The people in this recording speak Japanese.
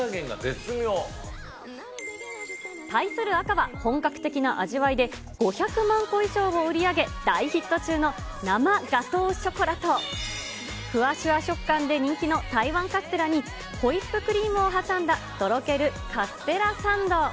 対する赤は、本格的な味わいで５００万個以上を売り上げ、大ヒット中の生ガトーショコラと、ふわしゅわ食感で人気の台湾カステラに、ホイップクリームを挟んだとろけるカステラサンド。